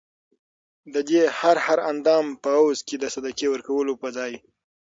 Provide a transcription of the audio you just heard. ددي هر هر اندام په عوض کي د صدقې ورکولو په ځای